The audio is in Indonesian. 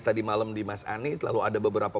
tadi malam di mas anies lalu ada beberapa